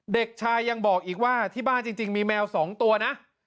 เด็กชายยังบอกอีกว่าที่บ้านจริงมีแมว๒ตัวนะ